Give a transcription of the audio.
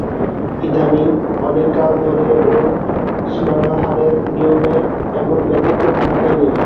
ইদানীং অনেক কাল ধরে ওর স্নানাহারের নিয়মের এমন ব্যতিক্রম ঘটে নি।